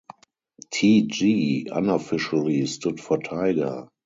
"Tg" unofficially stood for Tiger.